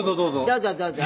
「どうぞどうぞ」